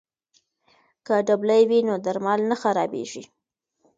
که ډبلي وي نو درمل نه خرابېږي.